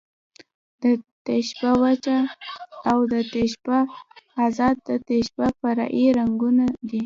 د تشبېه وجه او د تشبېه ادات، د تشبېه فرعي رکنونه دي.